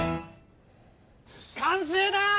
完成だ！